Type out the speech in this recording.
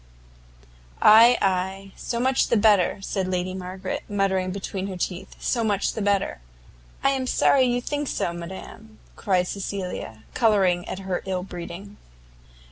"Ay, ay, and so much the better!" said Lady Margaret, muttering between her teeth, "so much the better!" "I am sorry you think so, madam," cried Cecilia, colouring at her ill breeding.